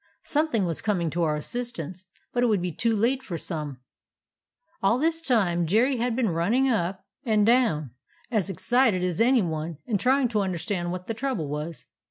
Something was com ing to our assistance, but it would be too late for some. "All this time Jerry had been running up and down, as excited as any one, and trying to understand what the trouble was.